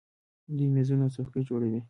دوی میزونه او څوکۍ جوړوي.